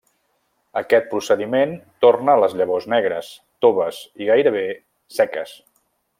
Aquest procediment torna les llavors negres, toves i gairebé seques.